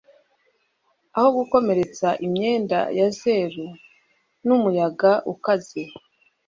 aho, gukomeretsa imyenda ya zeru n'umuyaga ukaze